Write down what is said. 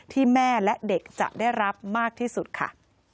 ที่แม่และเด็กจะได้รับมากที่สุดค่ะ